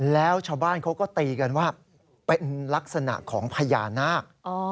แล้วชาวบ้านเขาก็ตีกันว่าเป็นลักษณะของพญานาค